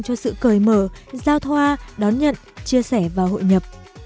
cho sự cởi mở giao thoa đón nhận chia sẻ và hội nhập